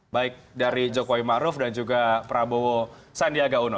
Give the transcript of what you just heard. baik dari jokowi maruf dan juga prabowo sandiaga uno